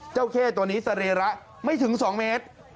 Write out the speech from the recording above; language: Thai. เจ้าเข้ตัวนี้สะเรละไม่ถึง๒เมตร